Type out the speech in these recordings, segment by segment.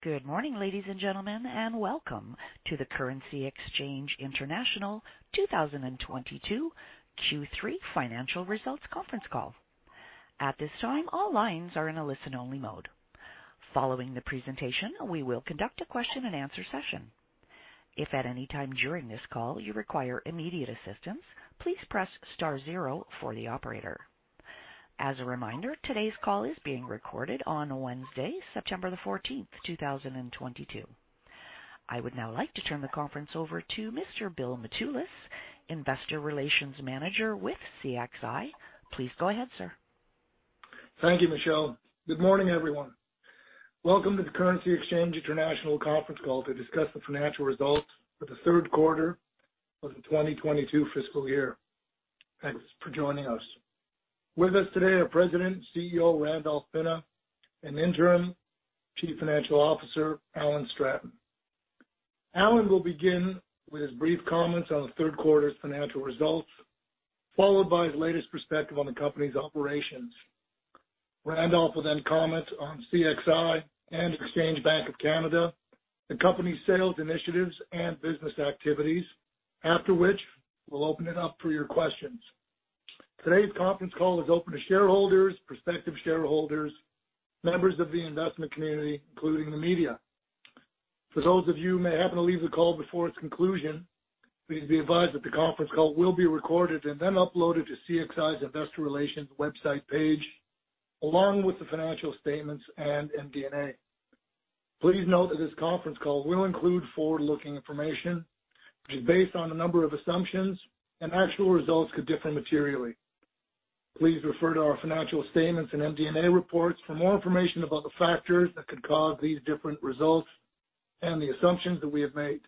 Good morning, ladies and gentlemen, and welcome to the Currency Exchange International 2022 Q3 Financial Results Conference Call. At this time, all lines are in a listen-only mode. Following the presentation, we will conduct a question-and-answer session. If at any time during this call you require immediate assistance, please press star zero for the operator. As a reminder, today's call is being recorded on Wednesday, September 14th, 2022. I would now like to turn the conference over to Mr. Bill Mitoulas, Investor Relations Manager with CXI. Please go ahead, sir. Thank you, Michelle. Good morning, everyone. Welcome to the Currency Exchange International conference call to discuss the financial results for the Q3 of the 2022 fiscal year. Thanks for joining us. With us today are President and CEO Randolph Pinna and Interim Chief Financial Officer Alan Stratton. Alan will begin with his brief comments on the Q3's financial results, followed by his latest perspective on the company's operations. Randolph will then comment on CXI and Exchange Bank of Canada, the company's sales initiatives and business activities. After which, we'll open it up for your questions. Today's conference call is open to shareholders, prospective shareholders, members of the investment community, including the media. For those of you who may happen to leave the call before its conclusion, please be advised that the conference call will be recorded and then uploaded to CXI's investor relations website page, along with the financial statements and MD&A. Please note that this conference call will include forward-looking information which is based on a number of assumptions, and actual results could differ materially. Please refer to our financial statements and MD&A reports for more information about the factors that could cause these different results and the assumptions that we have made.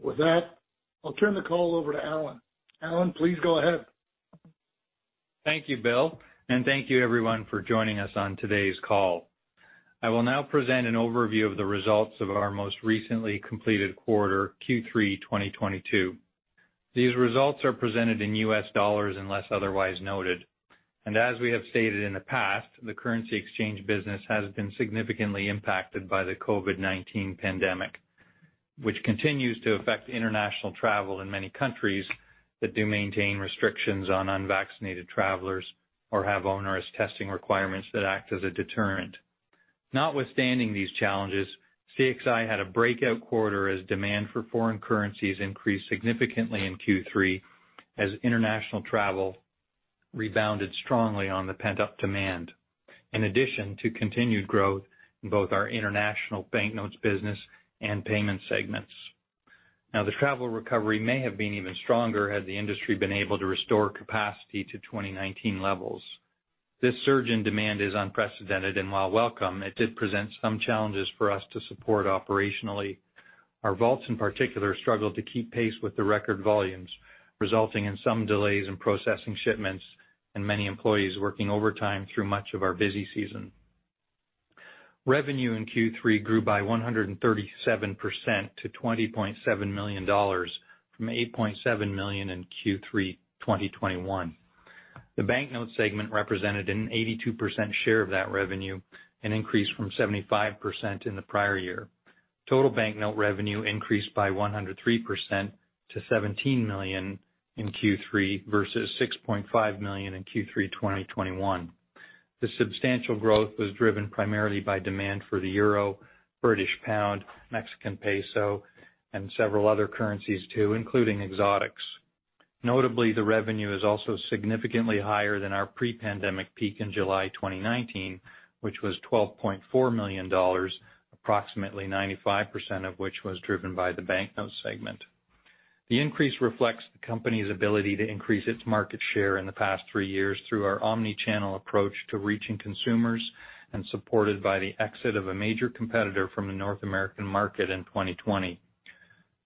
With that, I'll turn the call over to Alan. Alan, please go ahead. Thank you, Bill, and thank you everyone for joining us on today's call. I will now present an overview of the results of our most recently completed quarter, Q3 2022. These results are presented in US dollars unless otherwise noted. As we have stated in the past, the currency exchange business has been significantly impacted by the COVID-19 pandemic, which continues to affect international travel in many countries that do maintain restrictions on unvaccinated travelers or have onerous testing requirements that act as a deterrent. Notwithstanding these challenges, CXI had a breakout quarter as demand for foreign currencies increased significantly in Q3 as international travel rebounded strongly on the pent-up demand, in addition to continued growth in both our international banknotes business and payment segments. Now, the travel recovery may have been even stronger had the industry been able to restore capacity to 2019 levels. This surge in demand is unprecedented, and while welcome, it did present some challenges for us to support operationally. Our vaults in particular struggled to keep pace with the record volumes, resulting in some delays in processing shipments and many employees working overtime through much of our busy season. Revenue in Q3 grew by 137% to $20.7 million from $8.7 million in Q3 2021. The banknote segment represented an 82% share of that revenue, an increase from 75% in the prior year. Total banknote revenue increased by 103% to $17 million in Q3 versus $6.5 million in Q3 2021. The substantial growth was driven primarily by demand for the euro, British pound, Mexican peso, and several other currencies too, including exotics. Notably, the revenue is also significantly higher than our pre-pandemic peak in July 2019, which was $12.4 million, approximately 95% of which was driven by the banknote segment. The increase reflects the company's ability to increase its market share in the past three years through our omni-channel approach to reaching consumers and supported by the exit of a major competitor from the North American market in 2020.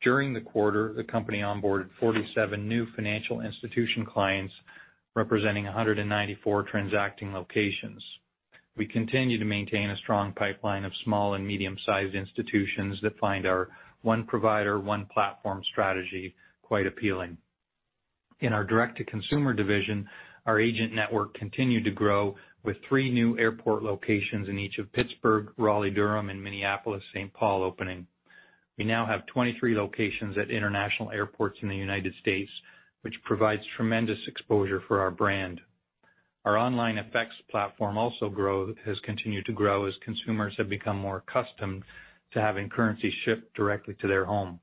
During the quarter, the company onboarded 47 new financial institution clients representing 194 transacting locations. We continue to maintain a strong pipeline of small and medium-sized institutions that find our one provider, one platform strategy quite appealing. In our direct-to-consumer division, our agent network continued to grow with three new airport locations in each of Pittsburgh, Raleigh-Durham, and Minneapolis-Saint Paul opening. We now have 23 locations at international airports in the United States, which provides tremendous exposure for our brand. Our online FX platform has continued to grow as consumers have become more accustomed to having currency shipped directly to their home.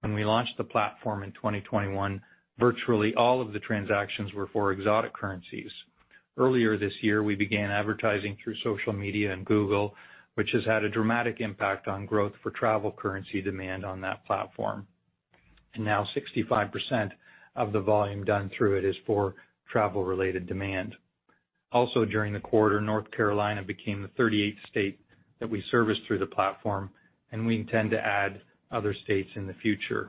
When we launched the platform in 2021, virtually all of the transactions were for exotic currencies. Earlier this year, we began advertising through social media and Google, which has had a dramatic impact on growth for travel currency demand on that platform. Now 65% of the volume done through it is for travel-related demand. Also, during the quarter, North Carolina became the 38th state that we service through the platform, and we intend to add other states in the future.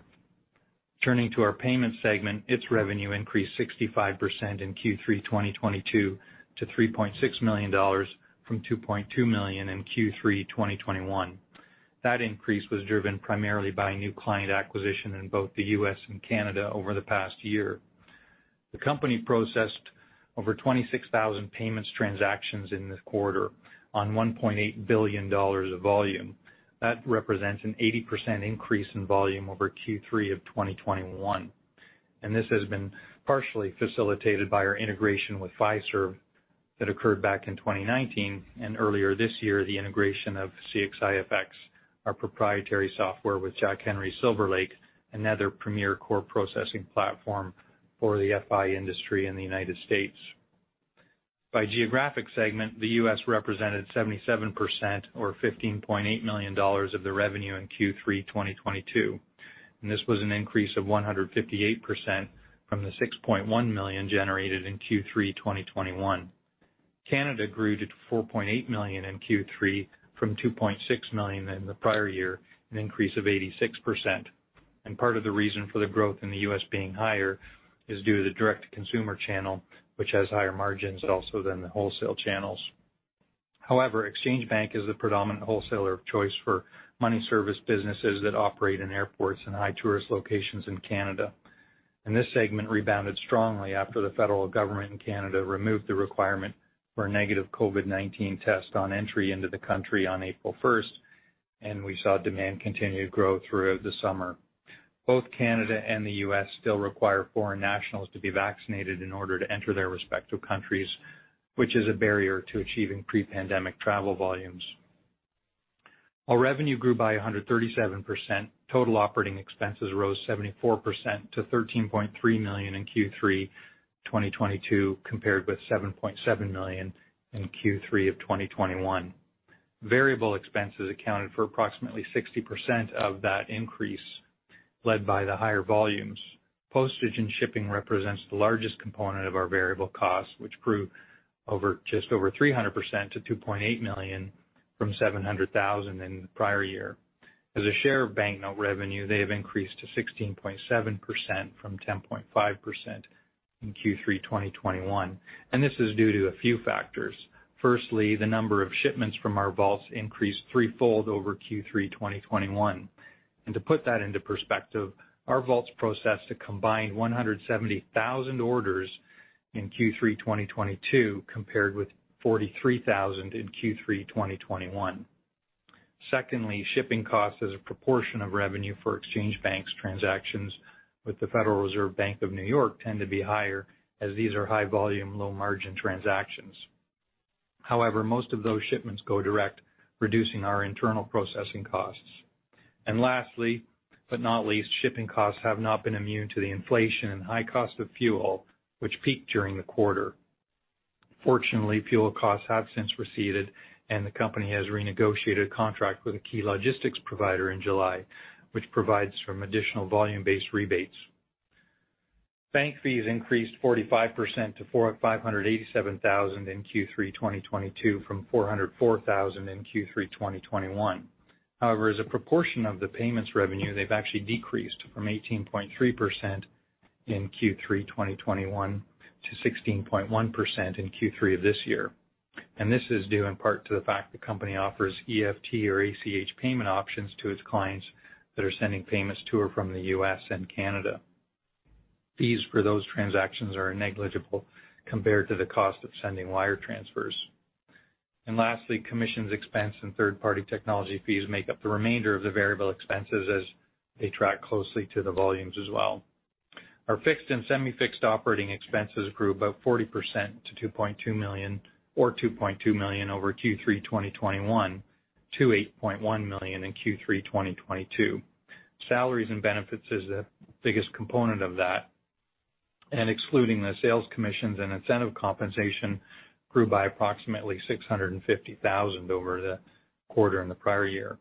Turning to our payment segment, its revenue increased 65% in Q3 2022 to $3.6 million from $2.2 million in Q3 2021. That increase was driven primarily by new client acquisition in both the US and Canada over the past year. The company processed over 26,000 payment transactions in this quarter on $1.8 billion of volume. That represents an 80% increase in volume over Q3 of 2021, and this has been partially facilitated by our integration with Fiserv that occurred back in 2019 and earlier this year, the integration of CXI FX, our proprietary software with Jack Henry's SilverLake, another premier core processing platform for the FI industry in the United States. By geographic segment, the U.S. represented 77% or $15.8 million of the revenue in Q3 2022, and this was an increase of 158% from the $6.1 million generated in Q3 2021. Canada grew to $4.8 million in Q3 from $2.6 million in the prior year, an increase of 86%. Part of the reason for the growth in the U.S. being higher is due to the direct-to-consumer channel, which has higher margins also than the wholesale channels. However, Exchange Bank of Canada is the predominant wholesaler of choice for money service businesses that operate in airports and high tourist locations in Canada. This segment rebounded strongly after the federal government in Canada removed the requirement for a negative COVID-19 test on entry into the country on April first, and we saw demand continue to grow throughout the summer. Both Canada and the U.S. still require foreign nationals to be vaccinated in order to enter their respective countries, which is a barrier to achieving pre-pandemic travel volumes. While revenue grew by 137%, total operating expenses rose 74% to $13.3 million in Q3 2022, compared with $7.7 million in Q3 of 2021. Variable expenses accounted for approximately 60% of that increase, led by the higher volumes. Postage and shipping represents the largest component of our variable costs, which grew over just over 300% to $2.8 million from $700,000 in the prior year. As a share of banknote revenue, they have increased to 16.7% from 10.5% in Q3 2021, and this is due to a few factors. Firstly, the number of shipments from our vaults increased threefold over Q3 2021. To put that into perspective, our vaults processed a combined 170,000 orders in Q3 2022, compared with 43,000 in Q3 2021. Secondly, shipping costs as a proportion of revenue for Exchange Bank of Canada's transactions with the Federal Reserve Bank of New York tend to be higher as these are high-volume, low-margin transactions. However, most of those shipments go direct, reducing our internal processing costs. Lastly, but not least, shipping costs have not been immune to the inflation and high cost of fuel which peaked during the quarter. Fortunately, fuel costs have since receded and the company has renegotiated a contract with a key logistics provider in July, which provides some additional volume-based rebates. Bank fees increased 45% to $457,000 in Q3 2022 from $404,000 in Q3 2021. However, as a proportion of the payments revenue, they've actually decreased from 18.3% in Q3 2021 to 16.1% in Q3 of this year. This is due in part to the fact the company offers EFT or ACH payment options to its clients that are sending payments to or from the U.S. and Canada. Fees for those transactions are negligible compared to the cost of sending wire transfers. Lastly, commissions expense and third-party technology fees make up the remainder of the variable expenses as they track closely to the volumes as well. Our fixed and semi-fixed operating expenses grew about 40% to $2.2 million, or $2.2 million over Q3 2021 to $8.1 million in Q3 2022. Salaries and benefits is the biggest component of that, and excluding the sales commissions and incentive compensation grew by approximately $650,000 over the quarter in the prior year.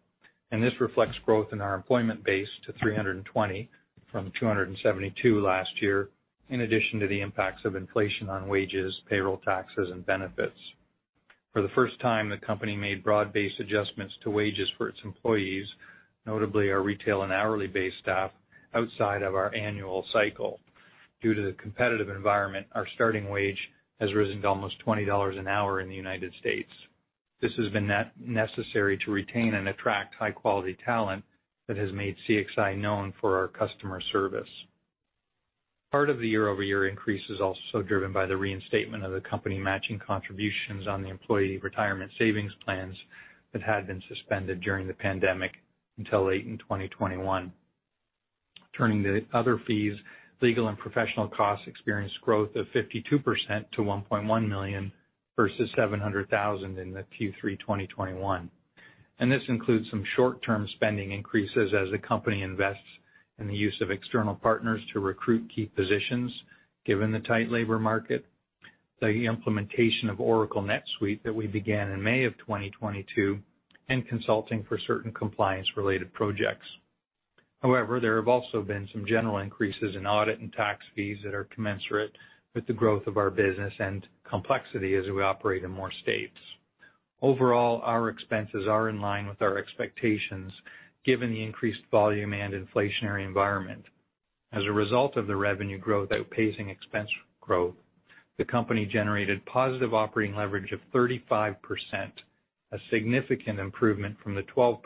This reflects growth in our employment base to 320 from 272 last year, in addition to the impacts of inflation on wages, payroll taxes, and benefits. For the first time, the company made broad-based adjustments to wages for its employees, notably our retail and hourly-based staff outside of our annual cycle. Due to the competitive environment, our starting wage has risen to almost $20 an hour in the United States. This has been necessary to retain and attract high-quality talent that has made CXI known for our customer service. Part of the year-over-year increase is also driven by the reinstatement of the company matching contributions on the employee retirement savings plans that had been suspended during the pandemic until late in 2021. Turning to other fees, legal and professional costs experienced growth of 52% to $1.1 million versus $700,000 in the Q3 2021. This includes some short-term spending increases as the company invests in the use of external partners to recruit key positions given the tight labor market, the implementation of Oracle NetSuite that we began in May of 2022, and consulting for certain compliance-related projects. However, there have also been some general increases in audit and tax fees that are commensurate with the growth of our business and complexity as we operate in more states. Overall, our expenses are in line with our expectations given the increased volume and inflationary environment. As a result of the revenue growth outpacing expense growth, the company generated positive operating leverage of 35%, a significant improvement from the 12%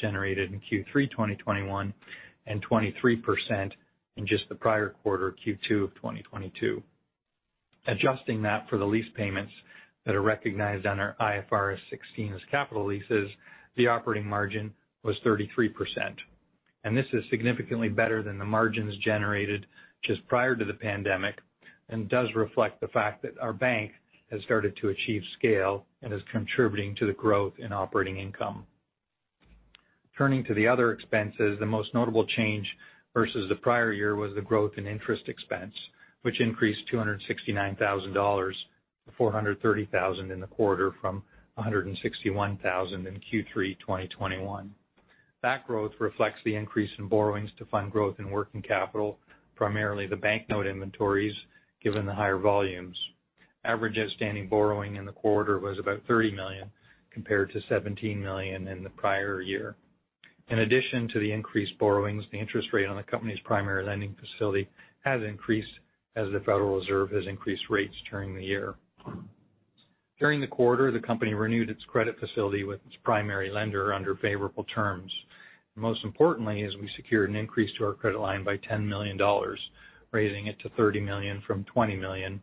generated in Q3 2021, and 23% in just the prior quarter, Q2 of 2022. Adjusting that for the lease payments that are recognized on our IFRS 16 as capital leases, the operating margin was 33%. This is significantly better than the margins generated just prior to the pandemic, and does reflect the fact that our bank has started to achieve scale and is contributing to the growth in operating income. Turning to the other expenses, the most notable change versus the prior year was the growth in interest expense, which increased $269,000 to $430,000 in the quarter from $161,000 in Q3 2021. That growth reflects the increase in borrowings to fund growth in working capital, primarily the banknote inventories, given the higher volumes. Average outstanding borrowing in the quarter was about $30 million, compared to $17 million in the prior year. In addition to the increased borrowings, the interest rate on the company's primary lending facility has increased as the Federal Reserve has increased rates during the year. During the quarter, the company renewed its credit facility with its primary lender under favorable terms. Most importantly, as we secured an increase to our credit line by $10 million, raising it to $30 million from $20 million,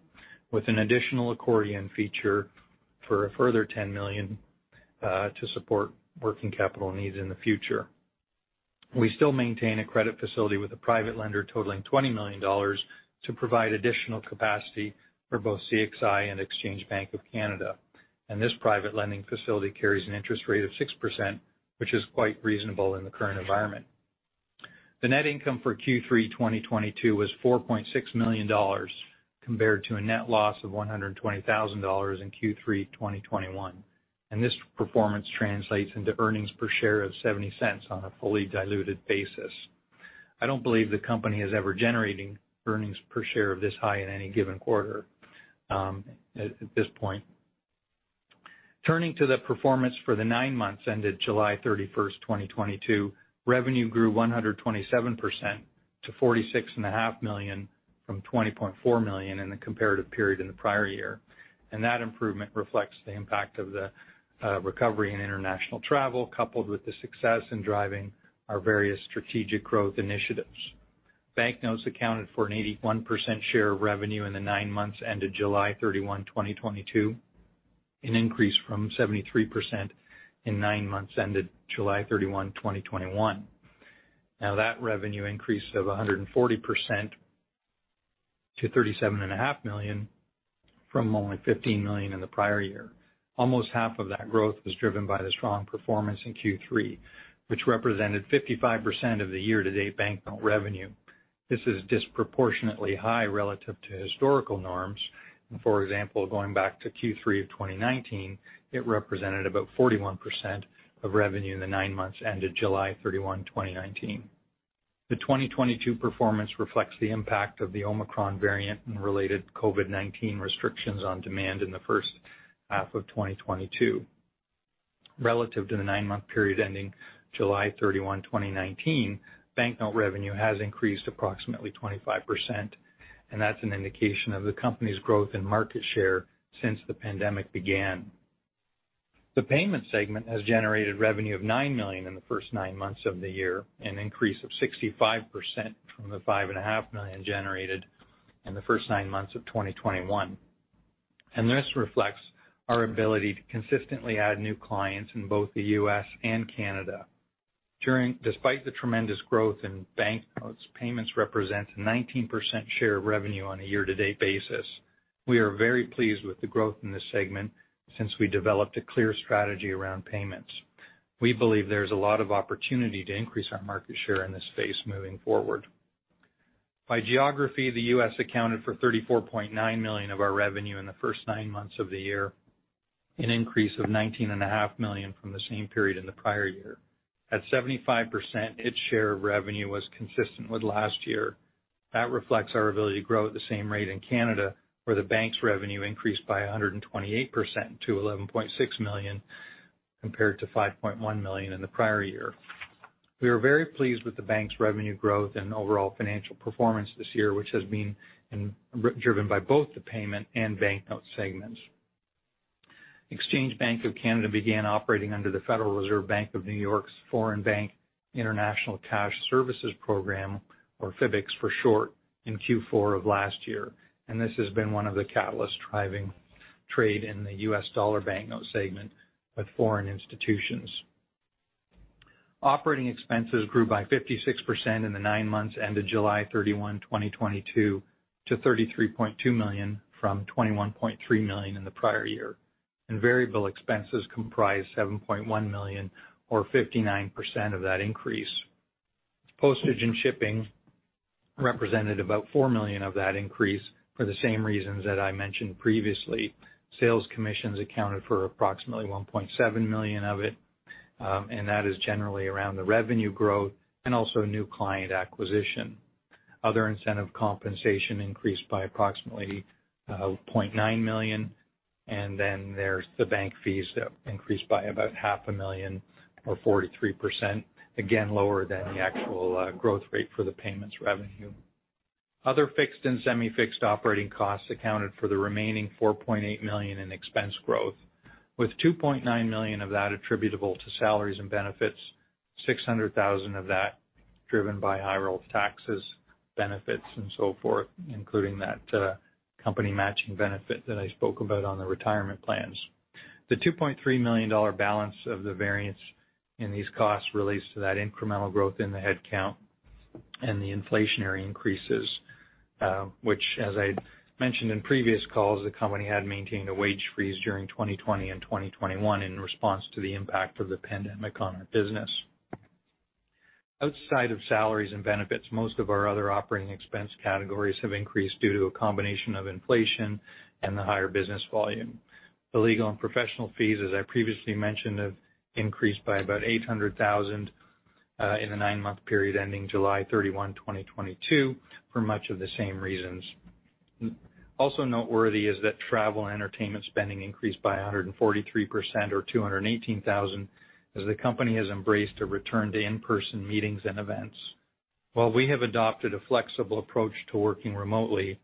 with an additional accordion feature for a further $10 million to support working capital needs in the future. We still maintain a credit facility with a private lender totaling $20 million to provide additional capacity for both CXI and Exchange Bank of Canada. This private lending facility carries an interest rate of 6%, which is quite reasonable in the current environment. The net income for Q3 2022 was $4.6 million, compared to a net loss of $120,000 in Q3 2021, and this performance translates into earnings per share of $0.70 on a fully diluted basis. I don't believe the company is ever generating earnings per share of this high in any given quarter, at this point. Turning to the performance for the nine months ended July 31st, 2022, revenue grew 127% to $46 and a half million from $20.4 million in the comparative period in the prior year. That improvement reflects the impact of the recovery in international travel, coupled with the success in driving our various strategic growth initiatives. Banknotes accounted for an 81% share of revenue in the nine months ended July 31st, 2022, an increase from 73% in nine months ended July 31, 2021. Now that revenue increase of 140% to $37 and a half million from only $15 million in the prior year. Almost half of that growth was driven by the strong performance in Q3, which represented 55% of the year-to-date banknote revenue. This is disproportionately high relative to historical norms. For example, going back to Q3 of 2019, it represented about 41% of revenue in the nine months ended July 31, 2019. The 2022 performance reflects the impact of the Omicron variant and related COVID-19 restrictions on demand in the first half of 2022. Relative to the nine-month period ending July 31, 2019, banknote revenue has increased approximately 25%, and that's an indication of the company's growth and market share since the pandemic began. The payment segment has generated revenue of $9 million in the first nine months of the year, an increase of 65% from the $5.5 million generated in the first nine months of 2021. This reflects our ability to consistently add new clients in both the U.S. and Canada. Despite the tremendous growth in banknotes, payments represent 19% share of revenue on a year-to-date basis. We are very pleased with the growth in this segment since we developed a clear strategy around payments. We believe there's a lot of opportunity to increase our market share in this space moving forward. By geography, the U.S. accounted for $34.9 million of our revenue in the first nine months of the year, an increase of $19.5 million from the same period in the prior year. At 75%, its share of revenue was consistent with last year. That reflects our ability to grow at the same rate in Canada, where the bank's revenue increased by 128% to $11.6 million, compared to $5.1 million in the prior year. We are very pleased with the bank's revenue growth and overall financial performance this year, which has been driven by both the payment and banknote segments. Exchange Bank of Canada began operating under the Federal Reserve Bank of New York's Foreign Bank International Cash Services program, or FBICS for short, in Q4 of last year. This has been one of the catalysts driving trade in the U.S. dollar banknote segment with foreign institutions. Operating expenses grew by 56% in the nine months ended July 31, 2022 to $33.2 million from $21.3 million in the prior year. Variable expenses comprised $7.1 million or 59% of that increase. Postage and shipping represented about $4 million of that increase for the same reasons that I mentioned previously. Sales commissions accounted for approximately $1.7 million of it, and that is generally around the revenue growth and also new client acquisition. Other incentive compensation increased by approximately 0.9 million. There's the bank fees that increased by about $0.5 million or 43%, again, lower than the actual growth rate for the payments revenue. Other fixed and semi-fixed operating costs accounted for the remaining $4.8 million in expense growth, with $2.9 million of that attributable to salaries and benefits, $600,000 of that driven by higher taxes, benefits, and so forth, including that company matching benefit that I spoke about on the retirement plans. The $2.3 million balance of the variance in these costs relates to that incremental growth in the headcount and the inflationary increases, which as I mentioned in previous calls, the company had maintained a wage freeze during 2020 and 2021 in response to the impact of the pandemic on our business. Outside of salaries and benefits, most of our other operating expense categories have increased due to a combination of inflation and the higher business volume. The legal and professional fees, as I previously mentioned, have increased by about $800,000 in the nine-month period ending July 31, 2022 for much of the same reasons. Also noteworthy is that travel and entertainment spending increased by 143% or $218,000 as the company has embraced a return to in-person meetings and events. While we have adopted a flexible approach to working remotely,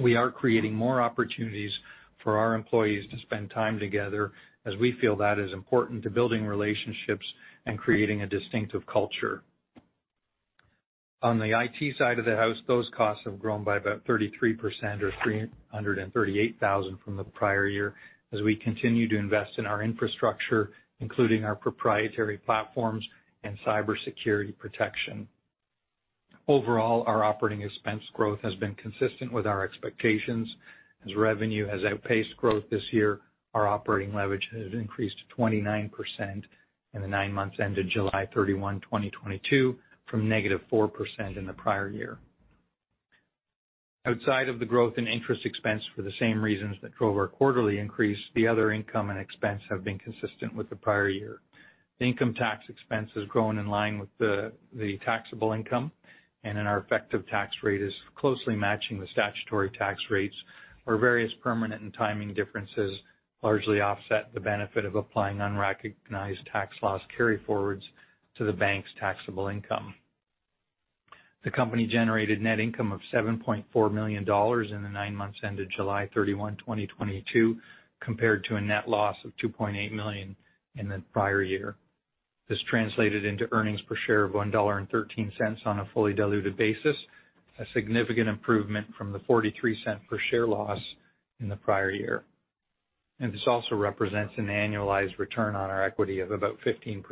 we are creating more opportunities for our employees to spend time together as we feel that is important to building relationships and creating a distinctive culture. On the IT side of the house, those costs have grown by about 33% or $338,000 from the prior year as we continue to invest in our infrastructure, including our proprietary platforms and cybersecurity protection. Overall, our operating expense growth has been consistent with our expectations. As revenue has outpaced growth this year, our operating leverage has increased to 29% in the nine months ended July 31, 2022 from -4% in the prior year. Outside of the growth in interest expense for the same reasons that drove our quarterly increase, the other income and expense have been consistent with the prior year. The income tax expense has grown in line with the taxable income, and then our effective tax rate is closely matching the statutory tax rates, where various permanent and timing differences largely offset the benefit of applying unrecognized tax loss carryforwards to the bank's taxable income. The company generated net income of $7.4 million in the nine months ended July 31, 2022, compared to a net loss of $2.8 million in the prior year. This translated into earnings per share of $1.13 on a fully diluted basis, a significant improvement from the 43-cent per share loss in the prior year. This also represents an annualized return on our equity of about 15%,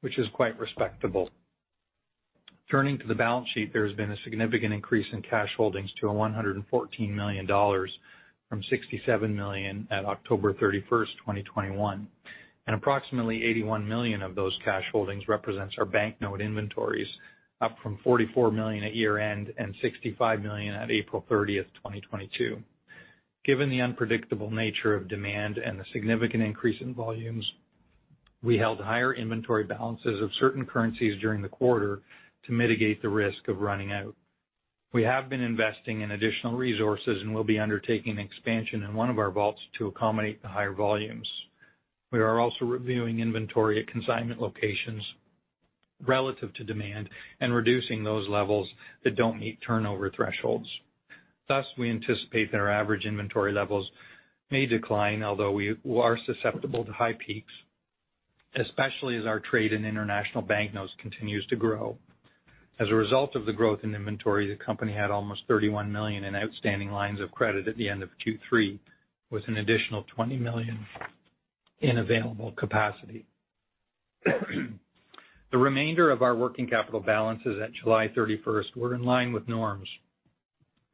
which is quite respectable. Turning to the balance sheet, there has been a significant increase in cash holdings to $114 million from $67 million at October 31st, 2021. Approximately $81 million of those cash holdings represents our banknote inventories up from $44 million at year-end and $65 million at April 30th, 2022. Given the unpredictable nature of demand and the significant increase in volumes, we held higher inventory balances of certain currencies during the quarter to mitigate the risk of running out. We have been investing in additional resources and will be undertaking expansion in one of our vaults to accommodate the higher volumes. We are also reviewing inventory at consignment locations relative to demand and reducing those levels that don't meet turnover thresholds. Thus, we anticipate that our average inventory levels may decline, although we are susceptible to high peaks, especially as our trade in international banknotes continues to grow. As a result of the growth in inventory, the company had almost $31 million in outstanding lines of credit at the end of Q3, with an additional $20 million in available capacity. The remainder of our working capital balances at July 31st were in line with norms.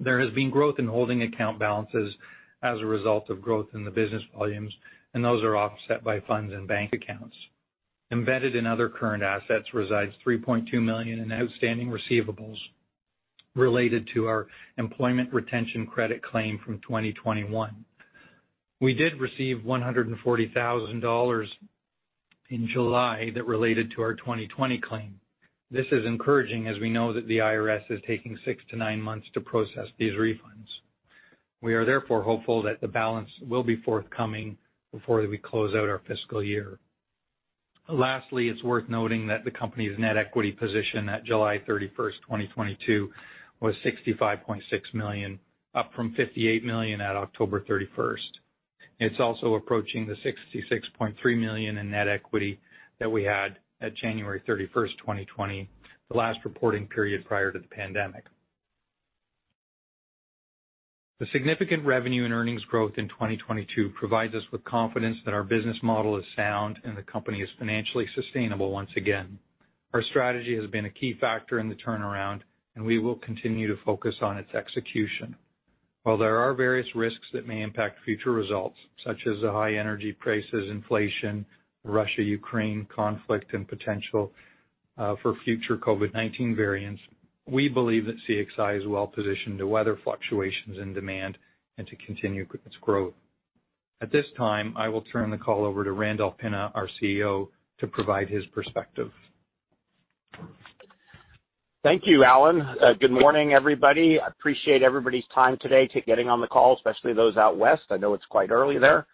There has been growth in holding account balances as a result of growth in the business volumes, and those are offset by funds in bank accounts. Embedded in other current assets resides $3.2 million in outstanding receivables related to our Employee Retention Credit claim from 2021. We did receive $140,000 in July that related to our 2020 claim. This is encouraging as we know that the IRS is taking 6-9 months to process these refunds. We are therefore hopeful that the balance will be forthcoming before we close out our fiscal year. It's worth noting that the company's net equity position at July 31st, 2022 was $65.6 million, up from $58 million at October 31st. It's also approaching the $66.3 million in net equity that we had at January 31st, 2020, the last reporting period prior to the pandemic. The significant revenue and earnings growth in 2022 provides us with confidence that our business model is sound and the company is financially sustainable once again. Our strategy has been a key factor in the turnaround and we will continue to focus on its execution. While there are various risks that may impact future results, such as the high energy prices, inflation, Russia-Ukraine conflict, and potential for future COVID-19 variants, we believe that CXI is well positioned to weather fluctuations in demand and to continue its growth. At this time, I will turn the call over to Randolph Pinna, our CEO, to provide his perspective. Thank you, Alan. Good morning, everybody. I appreciate everybody's time today to getting on the call, especially those out west. I know it's quite early there.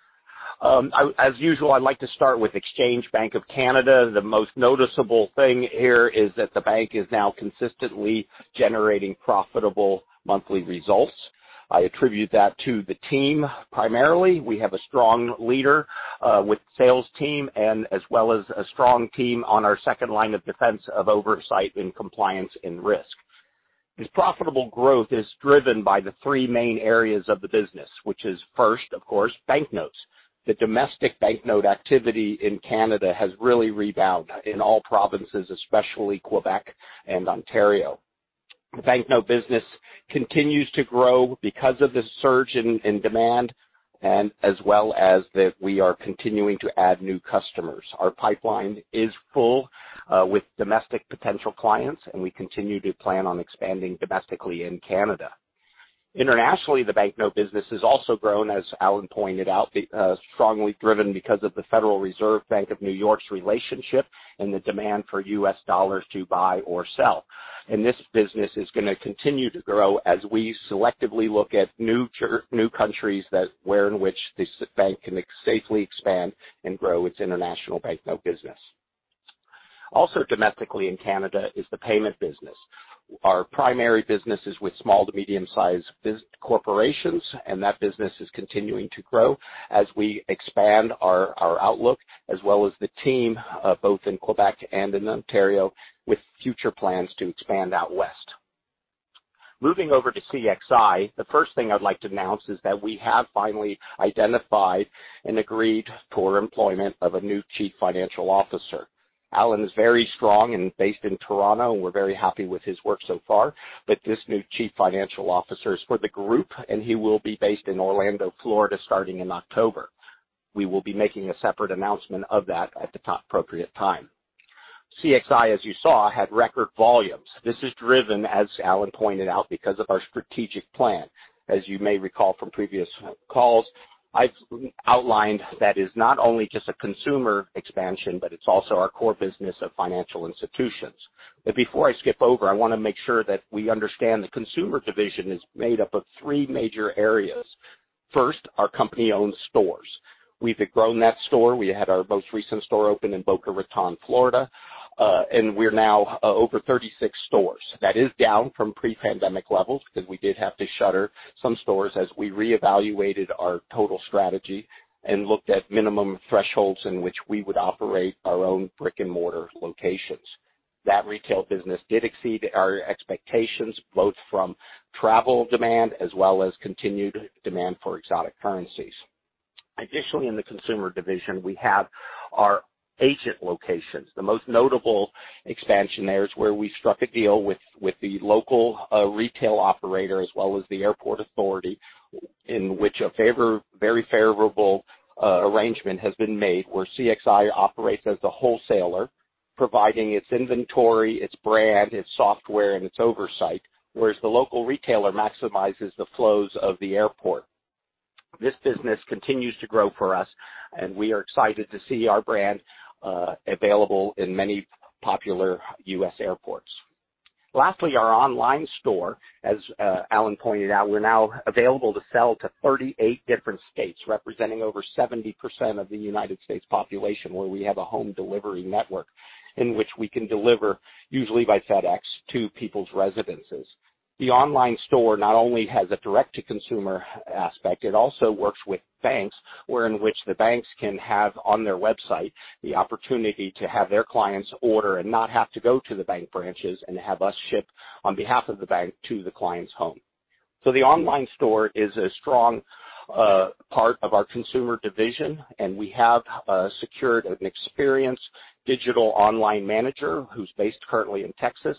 As usual, I'd like to start with Exchange Bank of Canada. The most noticeable thing here is that the bank is now consistently generating profitable monthly results. I attribute that to the team primarily. We have a strong leader with sales team and as well as a strong team on our second line of defense of oversight in compliance and risk. This profitable growth is driven by the three main areas of the business, which is first, of course, banknotes. The domestic banknote activity in Canada has really rebound in all provinces, especially Quebec and Ontario. The banknote business continues to grow because of the surge in demand and as well as that we are continuing to add new customers. Our pipeline is full with domestic potential clients, and we continue to plan on expanding domestically in Canada. Internationally, the banknote business has also grown, as Alan pointed out, strongly driven because of the Federal Reserve Bank of New York's relationship and the demand for U.S. dollars to buy or sell. This business is gonna continue to grow as we selectively look at new countries in which this bank can safely expand and grow its international banknote business. Also domestically in Canada is the payment business. Our primary business is with small to medium-sized corporations, and that business is continuing to grow as we expand our outlook as well as the team both in Quebec and in Ontario with future plans to expand out west. Moving over to CXI, the first thing I'd like to announce is that we have finally identified and agreed to employment of a new chief financial officer. Alan Stratton is very strong and based in Toronto, and we're very happy with his work so far. This new chief financial officer is for the group, and he will be based in Orlando, Florida, starting in October. We will be making a separate announcement of that at the appropriate time. CXI, as you saw, had record volumes. This is driven, as Alan pointed out, because of our strategic plan. As you may recall from previous calls, I've outlined that is not only just a consumer expansion, but it's also our core business of financial institutions. Before I skip over, I wanna make sure that we understand the consumer division is made up of three major areas. First, our company-owned stores. We've grown that store. We had our most recent store open in Boca Raton, Florida, and we're now over 36 stores. That is down from pre-pandemic levels because we did have to shutter some stores as we reevaluated our total strategy and looked at minimum thresholds in which we would operate our own brick-and-mortar locations. That retail business did exceed our expectations, both from travel demand as well as continued demand for exotic currencies. Additionally, in the consumer division, we have our agent locations. The most notable expansion there is where we struck a deal with the local retail operator as well as the airport authority in which a very favorable arrangement has been made where CXI operates as the wholesaler, providing its inventory, its brand, its software, and its oversight, whereas the local retailer maximizes the flows of the airport. This business continues to grow for us, and we are excited to see our brand available in many popular U.S. airports. Lastly, our online store. As Alan pointed out, we're now available to sell to 38 different states representing over 70% of the United States population where we have a home delivery network in which we can deliver usually by FedEx to people's residences. The online store not only has a direct-to-consumer aspect, it also works with banks where in which the banks can have on their website the opportunity to have their clients order and not have to go to the bank branches and have us ship on behalf of the bank to the client's home. The online store is a strong part of our consumer division, and we have secured an experienced digital online manager who's based currently in Texas,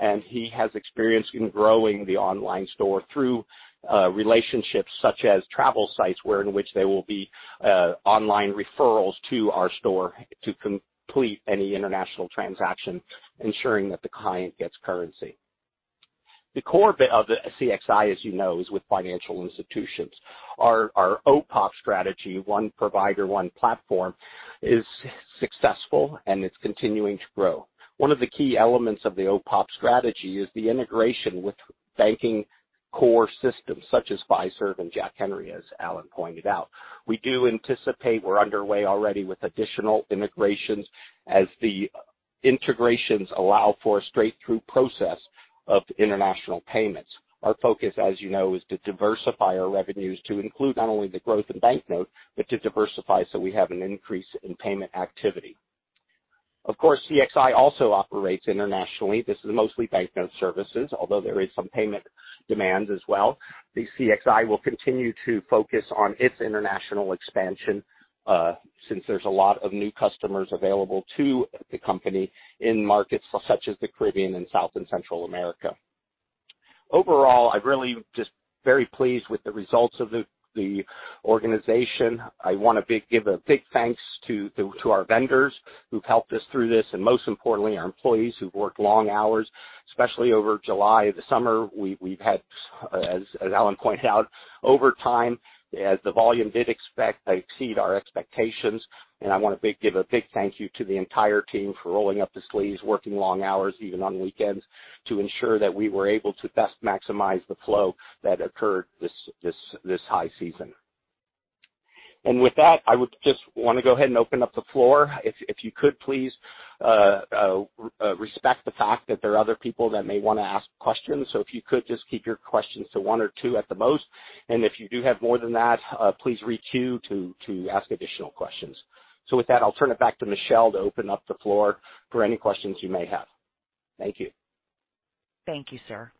and he has experience in growing the online store through relationships such as travel sites where in which they will be online referrals to our store to complete any international transaction, ensuring that the client gets currency. The core bit of the CXI, as you know, is with financial institutions. Our OPOP strategy, one provider, one platform, is successful, and it's continuing to grow. One of the key elements of the OPOP strategy is the integration with banking core systems such as Fiserv and Jack Henry, as Alan pointed out. We do anticipate we're underway already with additional integrations as the integrations allow for a straight-through process of international payments. Our focus, as you know, is to diversify our revenues to include not only the growth in banknote, but to diversify so we have an increase in payment activity. Of course, CXI also operates internationally. This is mostly banknote services, although there is some payment demand as well. The CXI will continue to focus on its international expansion, since there's a lot of new customers available to the company in markets such as the Caribbean and South and Central America. Overall, I'm really just very pleased with the results of the organization. I want to give a big thanks to our vendors who've helped us through this, and most importantly, our employees who've worked long hours, especially over July. The summer we've had, as Alan pointed out, over time as the volume did exceed our expectations. I want to give a big thank you to the entire team for rolling up the sleeves, working long hours even on weekends to ensure that we were able to best maximize the flow that occurred this high season. With that, I would just wanna go ahead and open up the floor. If you could please respect the fact that there are other people that may wanna ask questions. If you could just keep your questions to one or two at the most, and if you do have more than that, please reach out to ask additional questions. With that, I'll turn it back to Michelle to open up the floor for any questions you may have. Thank you. Thank you, sir.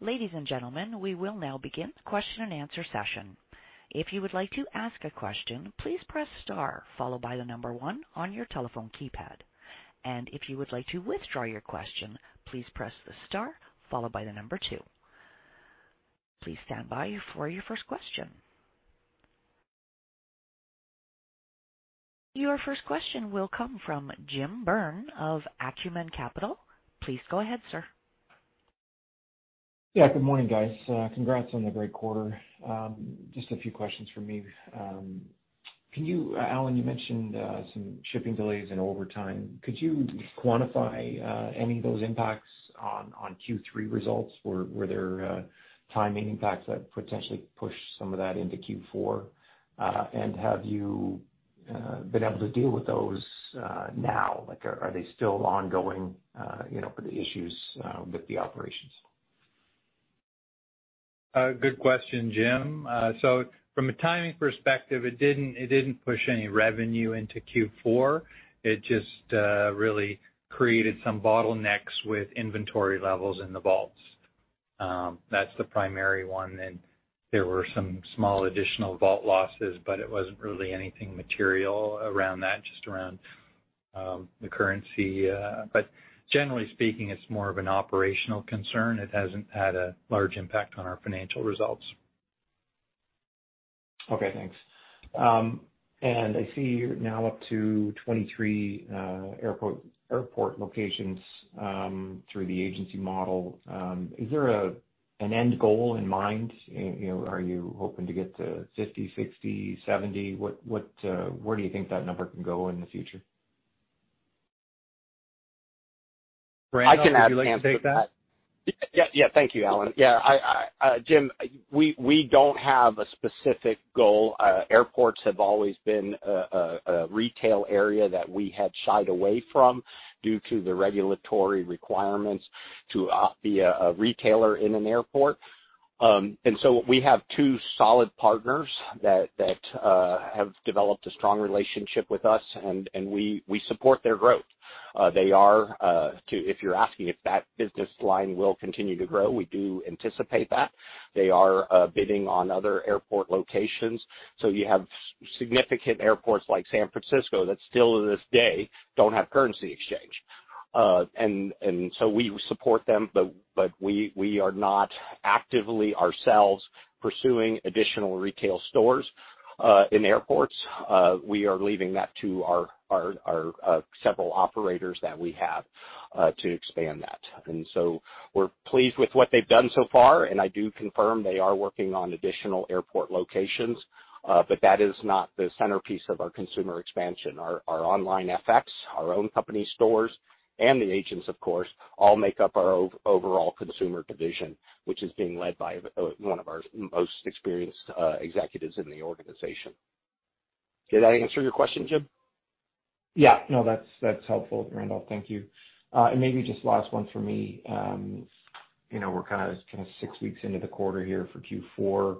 Ladies and gentlemen, we will now begin the question and answer session. If you would like to ask a question, please press star followed by the number one on your telephone keypad. If you would like to withdraw your question, please press the star followed by the number two. Please stand by for your first question. Your first question will come from Jim Byrne of Acumen Capital. Please go ahead, sir. Yeah, good morning, guys. Congrats on the great quarter. Just a few questions from me. Alan, you mentioned some shipping delays and overtime. Could you quantify any of those impacts on Q3 results? Were there timing impacts that potentially pushed some of that into Q4? And have you been able to deal with those now? Like, are they still ongoing, you know, for the issues with the operations? Good question, Jim. So from a timing perspective, it didn't push any revenue into Q4. It just really created some bottlenecks with inventory levels in the vaults. That's the primary one. There were some small additional vault losses, but it wasn't really anything material around that, just around the currency. But generally speaking, it's more of an operational concern. It hasn't had a large impact on our financial results. Okay, thanks. I see you're now up to 23 airport locations through the agency model. Is there an end goal in mind? You know, are you hoping to get to 50, 60, 70? What, where do you think that number can go in the future? Randolph, would you like to take that? I can answer that. Yeah. Thank you, Alan. Yeah, Jim, we don't have a specific goal. Airports have always been a retail area that we had shied away from due to the regulatory requirements to be a retailer in an airport. We have two solid partners that have developed a strong relationship with us, and we support their growth. They are bidding on other airport locations. If you're asking if that business line will continue to grow, we do anticipate that. So you have significant airports like San Francisco that still to this day don't have currency exchange. We support them, but we are not actively ourselves pursuing additional retail stores in airports. We are leaving that to our several operators that we have to expand that. We're pleased with what they've done so far, and I do confirm they are working on additional airport locations, but that is not the centerpiece of our consumer expansion. Our OnlineFX, our own company stores, and the agents, of course, all make up our overall consumer division, which is being led by one of our most experienced executives in the organization. Did that answer your question, Jim? Yeah. No, that's helpful, Randolph. Thank you. Maybe just last one for me. You know, we're kinda six weeks into the quarter here for Q4.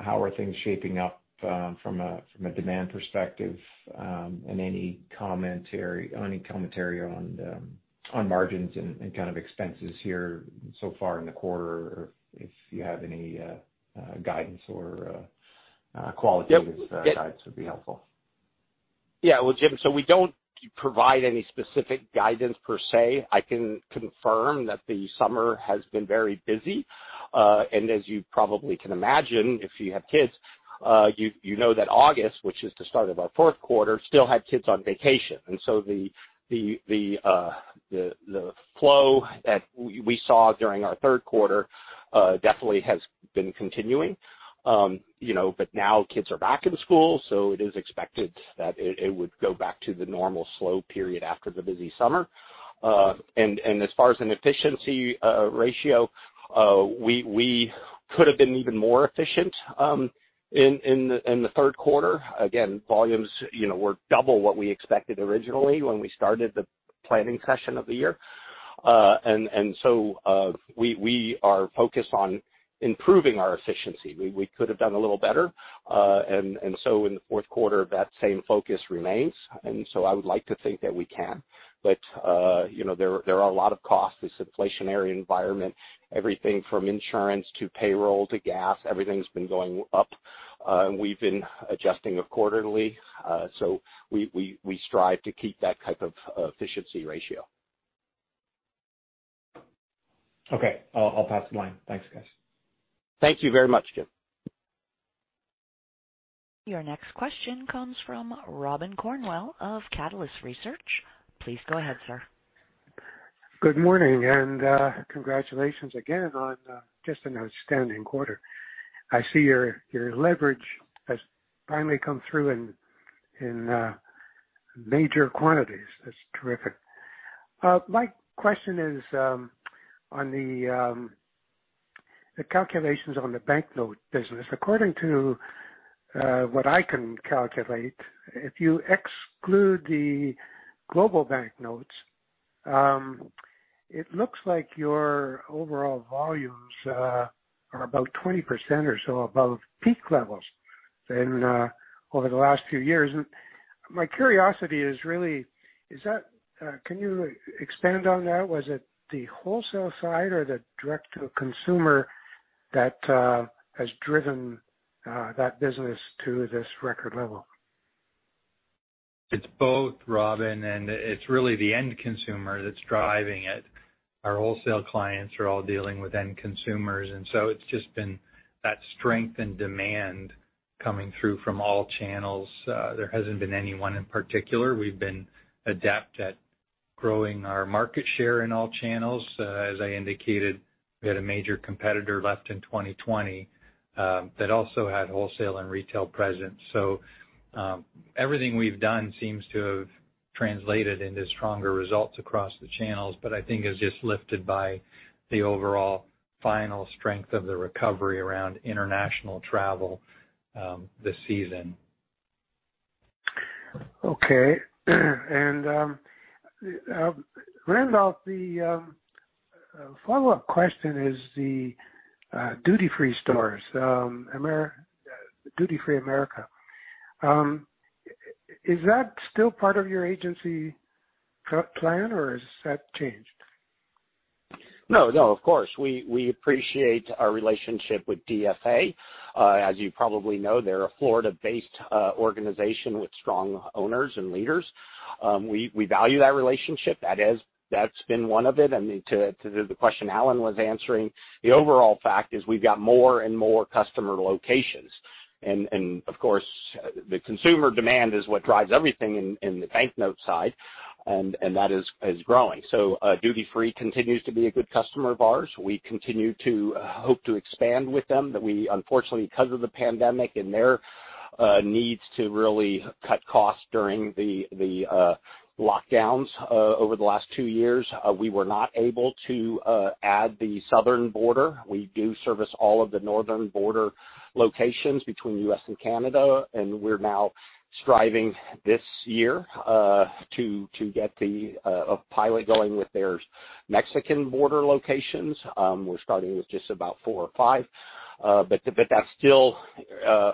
How are things shaping up from a demand perspective, and any commentary on margins and kind of expenses here so far in the quarter or if you have any guidance or qualitative. Yeah. Guides would be helpful. Yeah. Well, Jim, we don't provide any specific guidance per se. I can confirm that the summer has been very busy. As you probably can imagine, if you have kids, you know that August, which is the start of our Q4, still had kids on vacation. The flow that we saw during our Q3 definitely has been continuing. You know, now kids are back in school, so it is expected that it would go back to the normal slow period after the busy summer. As far as an efficiency ratio, we could have been even more efficient in the Q3. Again, volumes, you know, were double what we expected originally when we started the planning session of the year. We are focused on improving our efficiency. We could have done a little better. In the Q4, that same focus remains. I would like to think that we can. You know, there are a lot of costs, this inflationary environment, everything from insurance to payroll to gas, everything's been going up. We've been adjusting it quarterly. We strive to keep that type of efficiency ratio. Okay. I'll pass the line. Thanks, guys. Thank you very much, Jim. Your next question comes from Robin Cornwell of Catalyst Equity Research. Please go ahead, sir. Good morning, congratulations again on just an outstanding quarter. I see your leverage has finally come through in major quantities. That's terrific. My question is on the calculations on the banknote business. According to what I can calculate, if you exclude the global banknotes, it looks like your overall volumes are about 20% or so above peak levels than over the last few years. My curiosity is really that. Can you expand on that? Was it the wholesale side or the direct to consumer that has driven that business to this record level? It's both, Robin, and it's really the end consumer that's driving it. Our wholesale clients are all dealing with end consumers, and so it's just been that strength and demand coming through from all channels. There hasn't been any one in particular. We've been adept at growing our market share in all channels. As I indicated, we had a major competitor left in 2020, that also had wholesale and retail presence. Everything we've done seems to have translated into stronger results across the channels, but I think it was just lifted by the overall final strength of the recovery around international travel, this season. Randolph, the follow-up question is the duty-free stores. Duty Free Americas. Is that still part of your agency plan or has that changed? No, no, of course. We appreciate our relationship with DFA. As you probably know, they're a Florida-based organization with strong owners and leaders. We value that relationship. That's been one of it. I mean, to the question Alan was answering, the overall fact is we've got more and more customer locations. Of course, the consumer demand is what drives everything in the banknote side, and that is growing. So, Duty Free continues to be a good customer of ours. We continue to hope to expand with them. But unfortunately, because of the pandemic and their needs to really cut costs during the lockdowns over the last two years, we were not able to add the southern border. We do service all of the northern border locations between U.S. and Canada, and we're now striving this year to get a pilot going with their Mexican border locations. We're starting with just about four or five, but that's still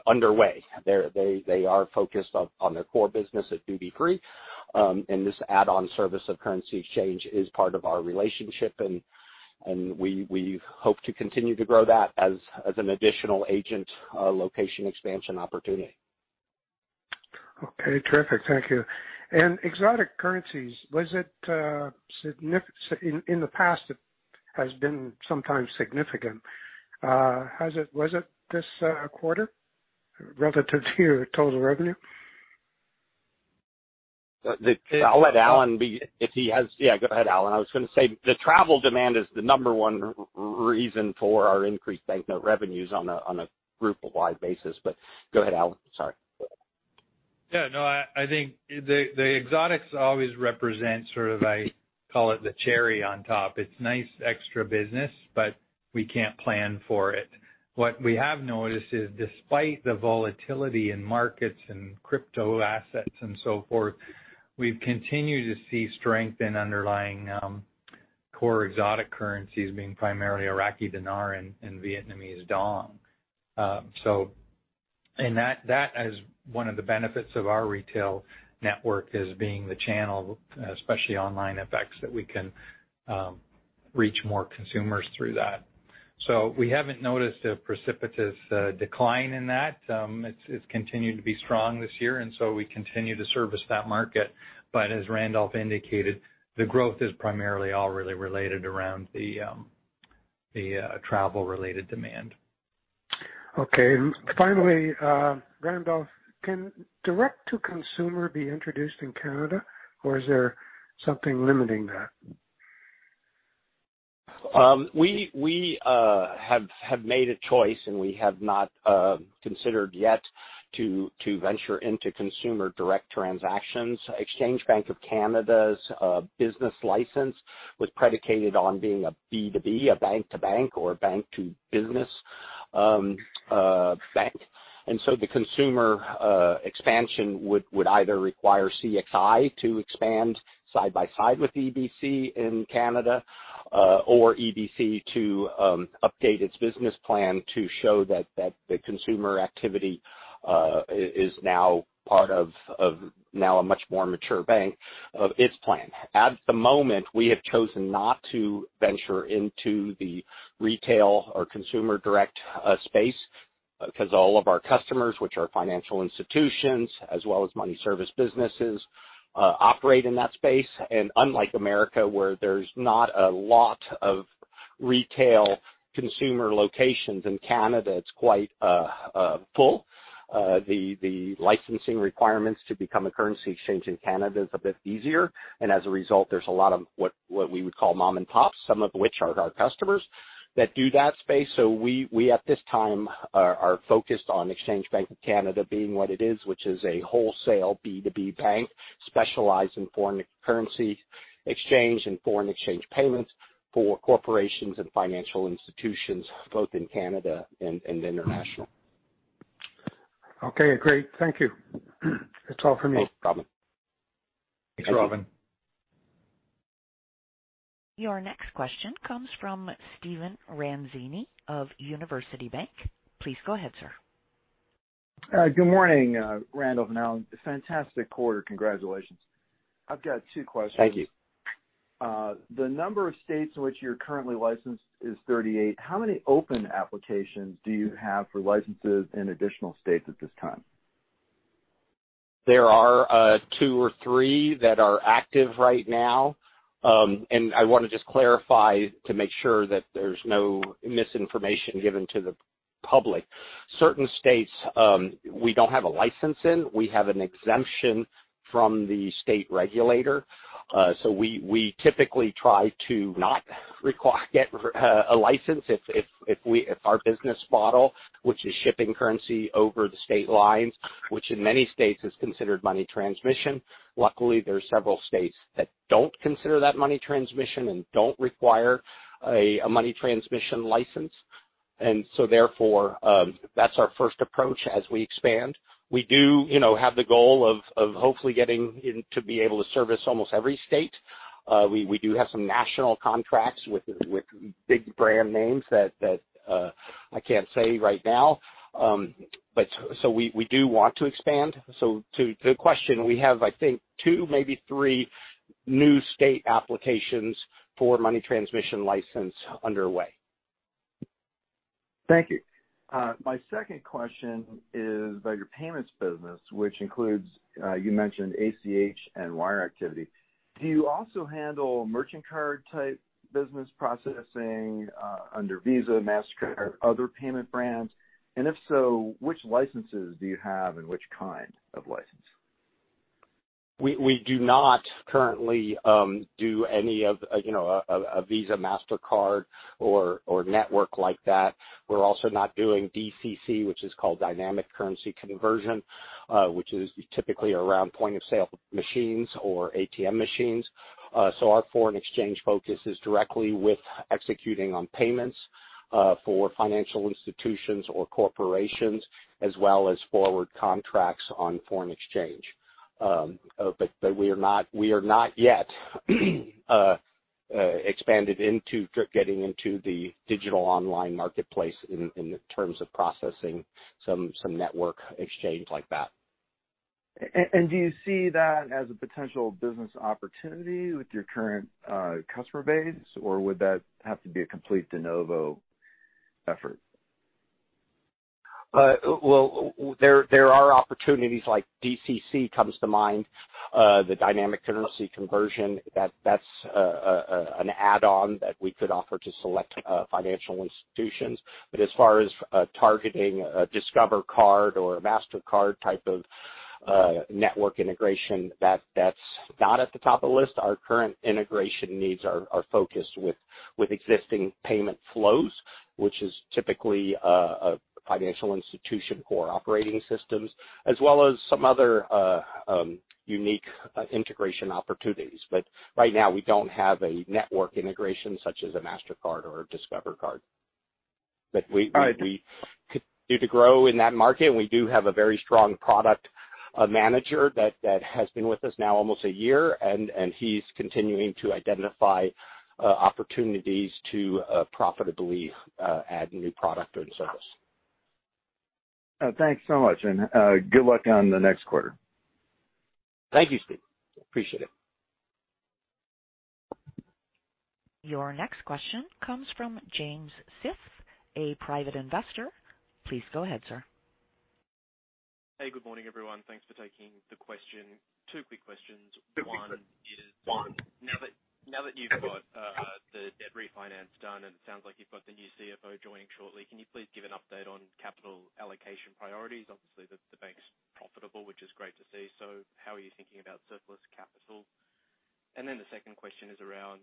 underway. They are focused on their core business at Duty Free. This add-on service of currency exchange is part of our relationship, and we hope to continue to grow that as an additional agent location expansion opportunity. Okay. Terrific. Thank you. Exotic currencies, was it significant in the past? It has been sometimes significant. Was it this quarter relative to your total revenue? I'll let Alan be if he has. Yeah, go ahead, Alan. I was gonna say the travel demand is the number one reason for our increased banknote revenues on a groupwide basis. Go ahead, Alan. Sorry. Yeah, no, I think the exotics always represent sort of I call it the cherry on top. It's nice extra business, but we can't plan for it. What we have noticed is despite the volatility in markets and crypto assets and so forth, we've continued to see strength in underlying core exotic currencies being primarily Iraqi dinar and Vietnamese dong. And that is one of the benefits of our retail network as being the channel, especially OnlineFX, that we can reach more consumers through that. So we haven't noticed a precipitous decline in that. It's continued to be strong this year, and we continue to service that market. As Randolph indicated, the growth is primarily all really related around the travel-related demand. Okay. Finally, Randolph, can direct to consumer be introduced in Canada, or is there something limiting that? We have made a choice, and we have not considered yet to venture into consumer direct transactions. Exchange Bank of Canada's business license was predicated on being a B2B, a bank to bank or bank to business, bank. The consumer expansion would either require CXI to expand side by side with EBC in Canada, or EBC to update its business plan to show that the consumer activity is now part of now a much more mature bank of its plan. At the moment, we have chosen not to venture into the retail or consumer direct space because all of our customers, which are financial institutions as well as money service businesses, operate in that space. Unlike America, where there's not a lot of retail consumer locations in Canada, it's quite full. The licensing requirements to become a currency exchange in Canada is a bit easier. As a result, there's a lot of what we would call mom and pops, some of which are our customers that do that space. We at this time are focused on Exchange Bank of Canada being what it is, which is a wholesale B2B bank specialized in foreign currency exchange and foreign exchange payments for corporations and financial institutions both in Canada and international. Okay, great. Thank you. It's all for me. No problem. Thanks, Robin. Your next question comes from Stephen Ranzini of University Bank. Please go ahead, sir. Good morning, Randolph and Alan. Fantastic quarter. Congratulations. I've got two questions. Thank you. The number of states in which you're currently licensed is 38. How many open applications do you have for licenses in additional states at this time? There are two or three that are active right now. I wanna just clarify to make sure that there's no misinformation given to the public. Certain states we don't have a license in. We have an exemption from the state regulator. We typically try to not get a license if our business model, which is shipping currency over the state lines, which in many states is considered money transmission. Luckily, there are several states that don't consider that money transmission and don't require a money transmission license. That's our first approach as we expand. We do, you know, have the goal of hopefully getting in to be able to service almost every state. We do have some national contracts with big brand names that I can't say right now. We do want to expand. To the question, we have, I think, 2, maybe 3 new state applications for money transmission license underway. Thank you. My second question is about your payments business, which includes, you mentioned ACH and wire activity. Do you also handle merchant card type business processing, under Visa, Mastercard, other payment brands? If so, which licenses do you have and which kind of license? We do not currently do any of, you know, a Visa, Mastercard or network like that. We're also not doing DCC, which is called Dynamic Currency Conversion, which is typically around point of sale machines or ATM machines. Our foreign exchange focus is directly with executing on payments for financial institutions or corporations, as well as forward contracts on foreign exchange. We are not yet expanded into getting into the digital online marketplace in terms of processing some network exchange like that. Do you see that as a potential business opportunity with your current customer base? Or would that have to be a complete de novo effort? Well, there are opportunities like DCC comes to mind, the Dynamic Currency Conversion, that's an add-on that we could offer to select financial institutions. As far as targeting a Discover card or a Mastercard type of network integration, that's not at the top of the list. Our current integration needs are focused with existing payment flows, which is typically a financial institution core operating systems as well as some other unique integration opportunities. Right now, we don't have a network integration such as a Mastercard or a Discover card. All right. We continue to grow in that market, and we do have a very strong product manager that has been with us now almost a year, and he's continuing to identify opportunities to profitably add new product or service. Thanks so much, and good luck on the next quarter. Thank you, Steve. Appreciate it. Your next question comes from James Smith, a private investor. Please go ahead, sir. Hey, good morning, everyone. Thanks for taking the question. Two quick questions. One is now that you've got the debt refinance done, and it sounds like you've got the new CFO joining shortly, can you please give an update on capital allocation priorities? Obviously, the bank's profitable, which is great to see. How are you thinking about surplus capital? The second question is around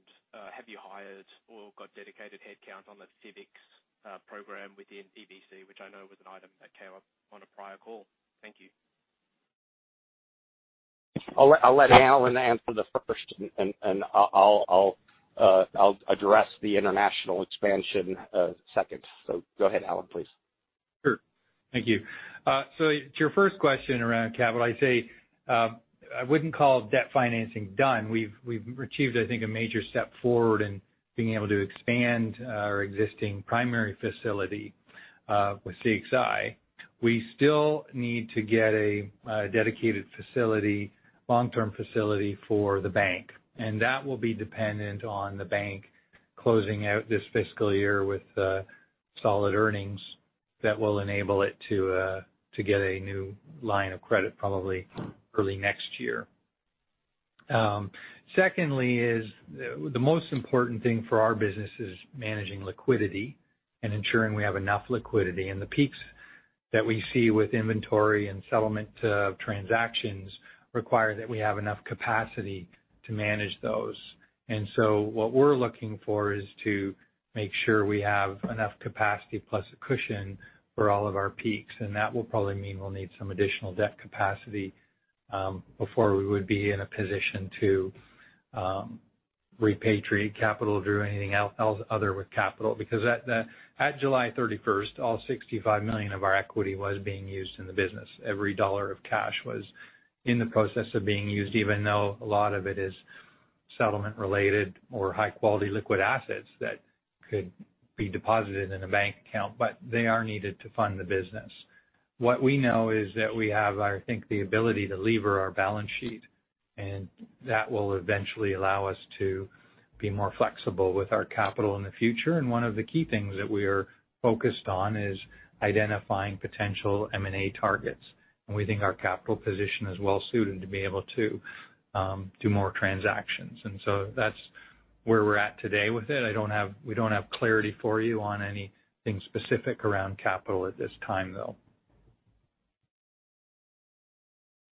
have you hired or got dedicated headcount on the FBICS program within EBC, which I know was an item that came up on a prior call? Thank you. I'll let Alan answer the first, and I'll address the international expansion, second. Go ahead, Alan, please. Sure. Thank you. So to your first question around capital, I say, I wouldn't call debt financing done. We've achieved, I think, a major step forward in being able to expand our existing primary facility with CXI. We still need to get a dedicated facility, long-term facility for the bank, and that will be dependent on the bank closing out this fiscal year with solid earnings that will enable it to get a new line of credit probably early next year. Secondly is the most important thing for our business is managing liquidity and ensuring we have enough liquidity. The peaks that we see with inventory and settlement transactions require that we have enough capacity to manage those. What we're looking for is to make sure we have enough capacity plus a cushion for all of our peaks. That will probably mean we'll need some additional debt capacity before we would be in a position to repatriate capital or do anything other with capital. Because at July thirty-first, all $65 million of our equity was being used in the business. Every dollar of cash was in the process of being used, even though a lot of it is settlement related or high quality liquid assets that could be deposited in a bank account, but they are needed to fund the business. What we know is that we have, I think, the ability to lever our balance sheet, and that will eventually allow us to be more flexible with our capital in the future. One of the key things that we are focused on is identifying potential M&A targets. We think our capital position is well suited to be able to do more transactions. That's where we're at today with it. We don't have clarity for you on anything specific around capital at this time, though.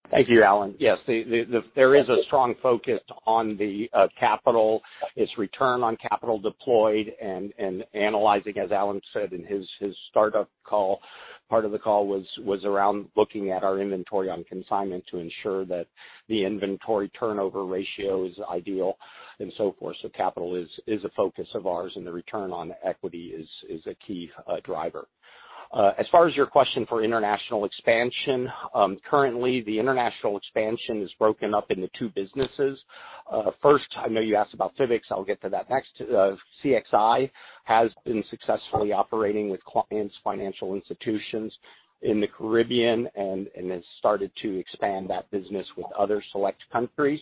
Thank you, Alan. Yes, there is a strong focus on the capital. It's return on capital deployed and analyzing, as Alan said in his startup call, part of the call was around looking at our inventory on consignment to ensure that the inventory turnover ratio is ideal and so forth. Capital is a focus of ours and the return on equity is a key driver. As far as your question for international expansion, currently the international expansion is broken up into two businesses. First, I know you asked about Fiserv. I'll get to that next. CXI has been successfully operating with clients, financial institutions in the Caribbean and has started to expand that business with other select countries.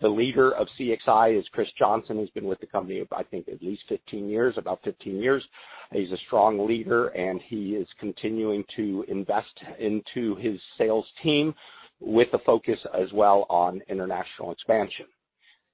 The leader of CXI is Chris Johnson, who's been with the company, I think, at least 15 years, about 15 years. He's a strong leader, and he is continuing to invest into his sales team with a focus as well on international expansion.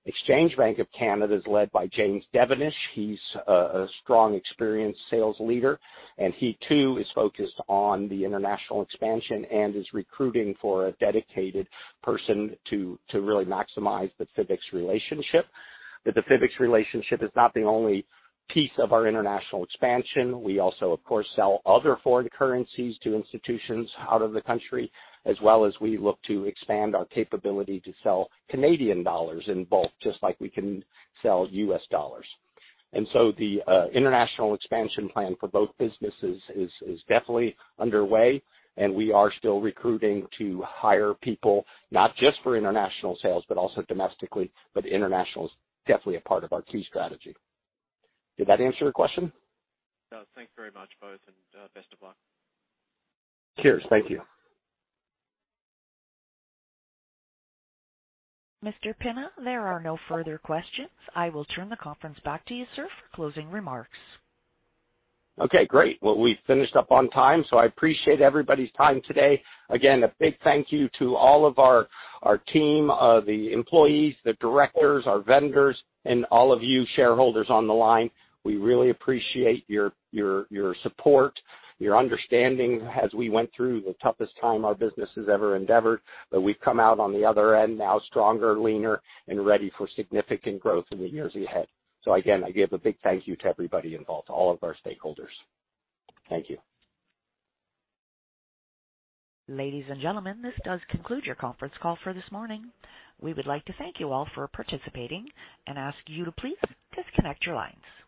Exchange Bank of Canada is led by James Devenish. He's a strong, experienced sales leader, and he too is focused on the international expansion and is recruiting for a dedicated person to really maximize the CXIFX relationship. The CXIFX relationship is not the only piece of our international expansion. We also, of course, sell other foreign currencies to institutions out of the country, as well as we look to expand our capability to sell Canadian dollars in bulk, just like we can sell US dollars. The international expansion plan for both businesses is definitely underway, and we are still recruiting to hire people, not just for international sales, but also domestically. International is definitely a part of our key strategy. Did that answer your question? Thanks very much, both. Best of luck. Cheers. Thank you. Mr. Pinna, there are no further questions. I will turn the conference back to you, sir, for closing remarks. Okay, great. Well, we finished up on time, so I appreciate everybody's time today. Again, a big thank you to all of our team, the employees, the directors, our vendors, and all of you shareholders on the line. We really appreciate your support, your understanding as we went through the toughest time our business has ever endeavored, but we've come out on the other end now stronger, leaner and ready for significant growth in the years ahead. Again, I give a big thank you to everybody involved, all of our stakeholders. Thank you. Ladies and gentlemen, this does conclude your conference call for this morning. We would like to thank you all for participating and ask you to please disconnect your lines.